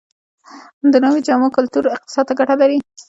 د نویو جامو کلتور اقتصاد ته ګټه لري؟